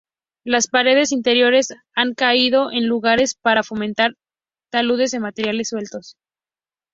Las paredes interiores han caído en lugares para formar taludes de materiales sueltos.